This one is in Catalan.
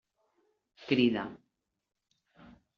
Crida.